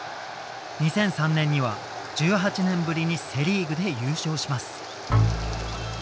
２００３年には１８年ぶりにセ・リーグで優勝します。